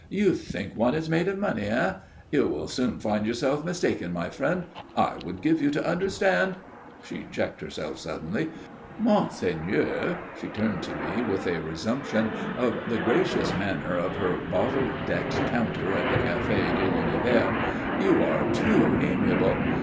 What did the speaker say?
"You think one is made of money, eh? You will soon find yourself mistaken, my friend. I would give you to understand ". She checked herself suddenly. "Monseigneur" she turned to me with a resumption of the gracious manner of her bottle decked counter at the Café de l'Univers "you are too amiable.